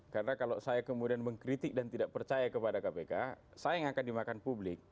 karena kalau saya kemudian mengkritik dan tidak percaya kepada kpk saya yang akan dimakan publik